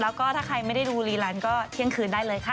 แล้วก็ถ้าใครไม่ได้ดูรีลันก็เที่ยงคืนได้เลยค่ะ